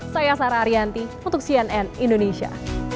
saya sarah ariyanti untuk cnn indonesia